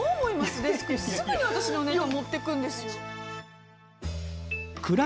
デスクすぐに私のネタ持ってくんですよ。